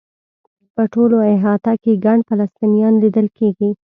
په ټوله احاطه کې ګڼ فلسطینیان لیدل کېږي.